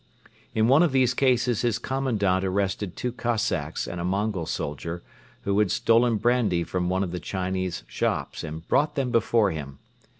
In one of these cases his Commandant arrested two Cossacks and a Mongol soldier who had stolen brandy from one of the Chinese shops and brought them before him.